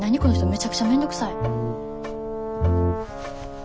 めちゃくちゃめんどくさい。